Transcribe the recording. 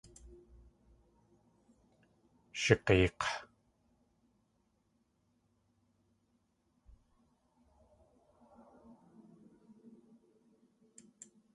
Shig̲eek̲.